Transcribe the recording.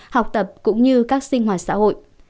học tập cũng như các sinh hoạt xã hội